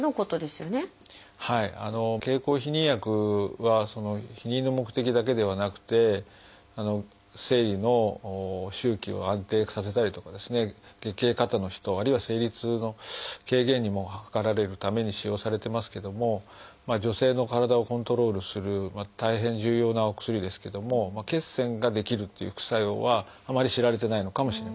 経口避妊薬は避妊の目的だけではなくて生理の周期を安定させたりとか月経過多の人あるいは生理痛の軽減を図られるために使用されてますけども女性の体をコントロールする大変重要なお薬ですけども血栓が出来るっていう副作用はあまり知られてないのかもしれません。